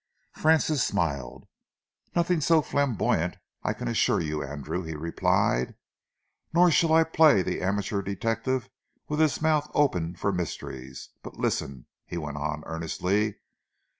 Francis smiled. "Nothing so flamboyant, I can assure you, Andrew," he replied; "nor shall I play the amateur detective with his mouth open for mysteries. But listen," he went on earnestly.